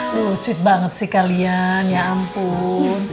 aduh sweet banget sih kalian ya ampun